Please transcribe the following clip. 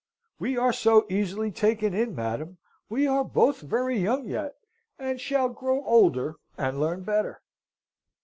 "We are so easily taken in, madam we are both very young yet we shall grow older and learn better."